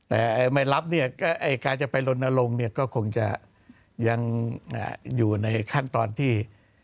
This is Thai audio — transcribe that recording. แต่ไม่รับเนี่ยการจะไปลงก็คงจะอยู่ในขั้นตอนที่